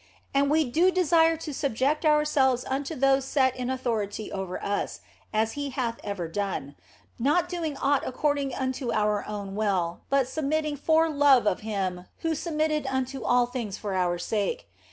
And we do desire to sub ject ourselves unto those set in authority over us (as He hath ever done), not doing aught according unto our own will, but submitting for love of Him who submitted unto all things for our sake.